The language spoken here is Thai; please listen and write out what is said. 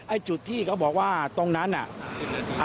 จุดที่เขาบอกว่าตรงนั้นน่ะ